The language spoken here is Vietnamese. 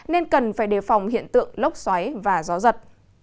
nên cần phải đề phòng hiện tượng lốc xoáy và gió giật